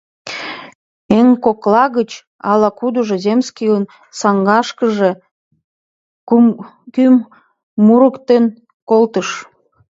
Еҥ кокла гыч ала-кудыжо земскийын саҥгашкыже кӱм мурыктен колтыш.